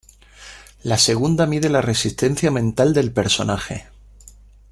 La segunda mide la resistencia mental del personaje.